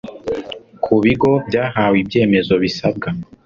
ku bigo byahawe ibyemezo bisabwa